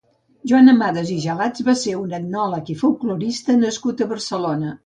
Joan Amades i Gelats va ser un etnòleg i folklorista nascut a Barcelona.